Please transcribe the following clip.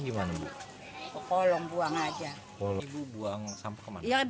jadi buangnya di kolong aja dari dulu juga